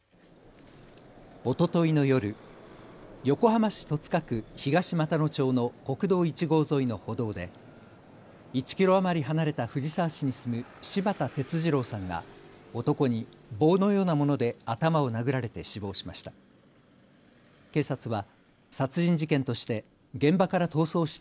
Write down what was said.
おとといの夜、横浜市戸塚区東俣野町の国道１号沿いの歩道で１キロ余り離れた藤沢市に住む柴田哲二郎さんが男に棒のようなもので頭を殴られて死亡しました。